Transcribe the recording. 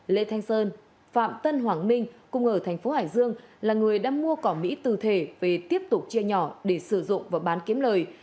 lê thanh sơn phạm tân hoàng minh cùng ở thành phố hải dương là người đã mua cỏ mỹ từ thể về tiếp tục chia nhỏ để sử dụng và bán kiếm lời